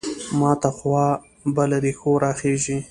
ماته خوا به له رېښو راخېژي.